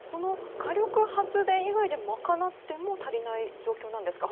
火力発電以外で賄っても足りない状況なんですか？